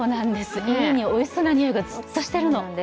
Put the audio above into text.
おいしそうなにおいがずっとしてるの。